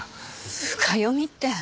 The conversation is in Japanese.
深読みって。